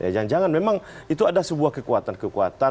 jangan jangan memang itu ada sebuah kekuatan kekuatan